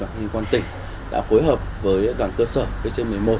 đoàn huyên quan tỉnh đã phối hợp với đoàn cơ sở bc một mươi một